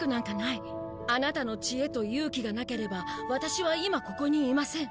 アナタの知恵と勇気がなければワタシは今ここにいません。